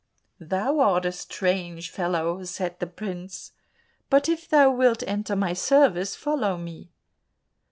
"Thou art a strange fellow," said the prince, "but if thou wilt enter my service, follow me."